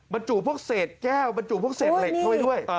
บรรจุพวกเศษแก้วบรรจุพวกเศษเหล็กเข้าไปด้วย